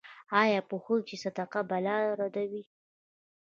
ایا پوهیږئ چې صدقه بلا ردوي؟